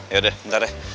yaudah bentar deh